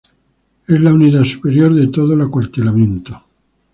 Es la unidad superior de todo el acuartelamiento.